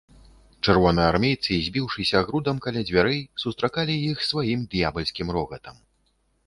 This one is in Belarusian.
Чырвонаармейцы, збіўшыся грудам каля дзвярэй, сустракалі іх сваім д'ябальскім рогатам.